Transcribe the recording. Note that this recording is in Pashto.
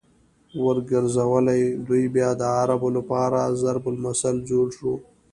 ورګرځولې!! دوی بيا د عربو لپاره ضرب المثل جوړ شو